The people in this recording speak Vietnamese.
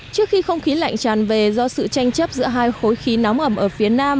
trước khi không khí lạnh tràn về do sự tranh chấp giữa hai khối khí nóng ẩm ở phía nam